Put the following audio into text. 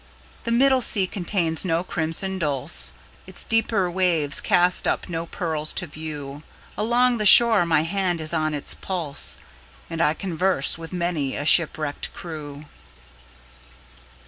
The middle sea contains no crimson dulse, Its deeper waves cast up no pearls to view; Along the shore my hand is on its pulse, And I converse with many a shipwrecked crew.